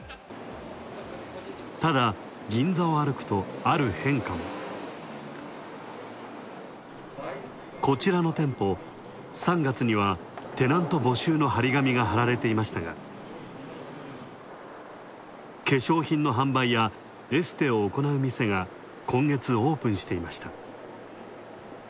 ただ、銀座を歩くと、ある変化も。こちらの店舗、３月にはテナント募集の張り紙が貼られていましたが、化粧品の販売やエステをおこなう店が今月オープンしていました。